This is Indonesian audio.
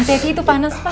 tadi itu panas pak